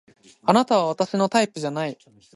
あなたは私のタイプじゃない